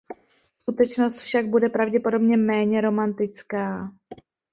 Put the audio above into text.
Skutečnost však bude pravděpodobně méně romantická.